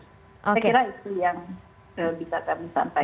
saya kira itu yang bisa kami sampaikan